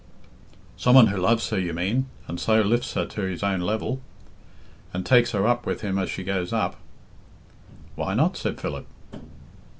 "Some one who loves her, you mean, and so lifts her to his own level, and takes her up with him as he goes up?" "Why not?" said Philip.